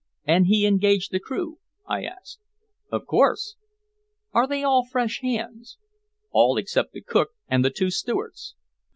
"And he engaged the crew?" I asked. "Of course." "Are they all fresh hands?" "All except the cook and the two stewards."